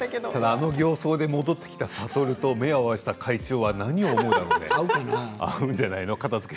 あの形相で戻ってきた智と目を合わせた会長は何を思うかね。